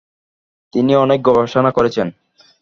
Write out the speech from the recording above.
তিনি অনেক গবেষণা করেছেন।